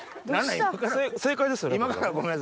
正解ですよね？